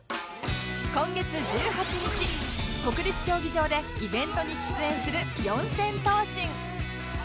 今月１８日国立競技場でイベントに出演する四千頭身